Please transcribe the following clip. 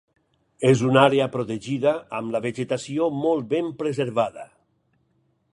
És una àrea protegida, amb la vegetació molt ben preservada.